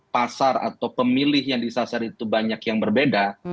pasar atau pemilih yang disasar itu banyak yang berbeda